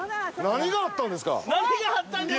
何があったんですかて！